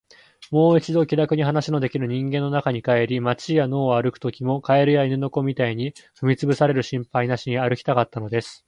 もう一度、気らくに話のできる人間の中に帰り、街や野を歩くときも、蛙や犬の子みたいに踏みつぶされる心配なしに歩きたかったのです。